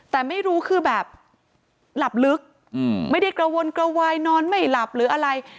แต่ไม่รู้คือแบบหลับลึกไม่ได้กระวนกระวายนอนไม่หลับหรืออะไร